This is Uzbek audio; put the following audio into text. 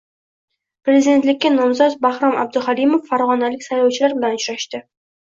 Prezidentlikka nomzod Bahrom Abduhalimov farg‘onalik saylovchilar bilan uchrashdi